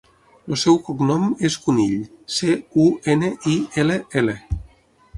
El seu cognom és Cunill: ce, u, ena, i, ela, ela.